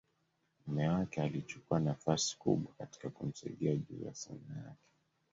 mume wake alichukua nafasi kubwa katika kumsaidia juu ya Sanaa yake.